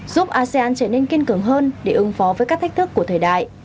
giúp asean trở nên kiên cường hơn để ứng phó với các thách thức của thời đại